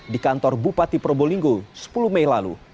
di kantor bupati probolinggo sepuluh mei lalu